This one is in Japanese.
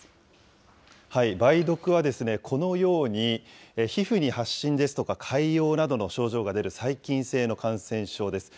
梅毒は、このように、皮膚に発疹ですとか、潰瘍などの症状が出る細菌性の感染症です。